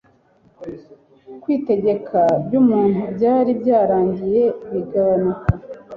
kwitegeka by'umuntu byari byaragiye bigabanuka.